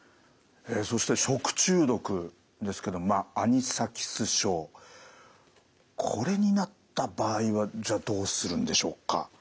そして食中毒ですけどもアニサキス症これになった場合はどうするんでしょうか。